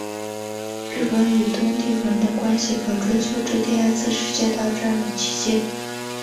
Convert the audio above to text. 日本与东帝汶的关系可追溯至第二次世界大战期间。